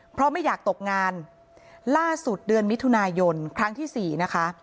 เพราะไม่อยากตกงานล่าสุดเดือนมิถุนายนครั้งที่สี่นะคะ